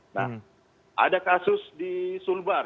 nah ada kasus di sulbar